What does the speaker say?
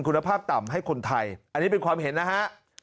คุณภาพต่ำให้คนไทยอันนี้เป็นความเห็นนะฮะ